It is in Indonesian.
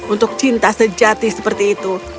untuk cinta sejati seperti itu